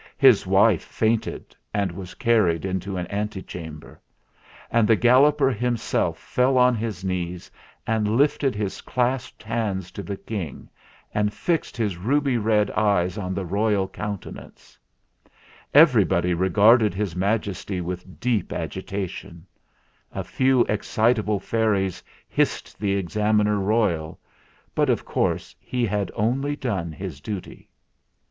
His wife fainted and was carried into an ante chamber ; and the Galloper himself fell on his knees and lifted his clasped hands to the King, and fixed his ruby red eyes on the royal countenance. Everybody re The Galloper fell on his knees THE JACKY TOAD FAILS 255 garded His Majesty with deep agitation. A few excitable fairies hissed the Examiner Royal; but of course he had only done his duty.